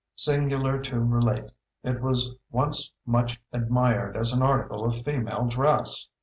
Singular to relate, it was once much admired as an article of female dress!